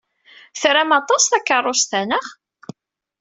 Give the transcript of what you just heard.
Tram aṭas takeṛṛust-a, naɣ?